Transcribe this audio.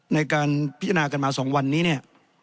ในการพิจารณากันมา๒วันนี้